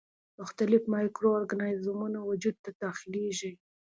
مختلف مایکرو ارګانیزمونه وجود ته داخليږي.